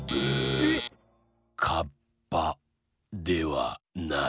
えっ⁉カッパではない。